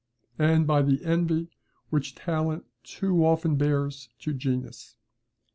] and by the envy which talent too often bears to genius.